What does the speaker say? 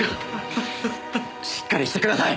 しっかりしてください。